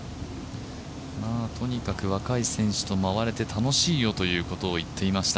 とにかく若い選手と回れて楽しいよということを言っていました。